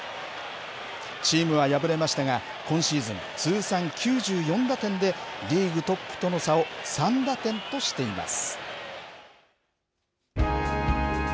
チームは敗れましたが、今シーズン通算９４打点で、リーグトップとの差を３打点としています。